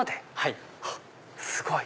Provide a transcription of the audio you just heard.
すごい！